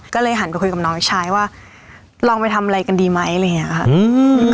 ก็เลยหันไปคุยกับน้องชายว่าลองไปทำอะไรกันดีไหมอะไรอย่างเงี้ยค่ะอืม